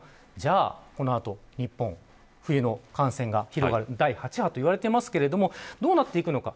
この後、日本の冬の感染が広がる第８波と言われていますがどうなっていくのか。